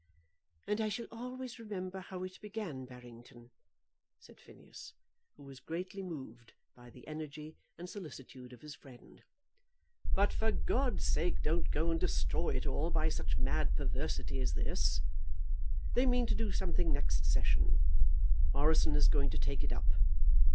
"And I shall always remember how it began, Barrington," said Phineas, who was greatly moved by the energy and solicitude of his friend. "But, for God's sake, don't go and destroy it all by such mad perversity as this. They mean to do something next session. Morrison is going to take it up."